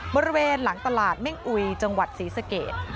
บริเวณหลังตลาดเม่งอุยจังหวัดศรีสเกต